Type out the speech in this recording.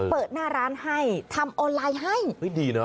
เปิดหน้าร้านให้ทำออนไลน์ให้เฮ้ยดีนะ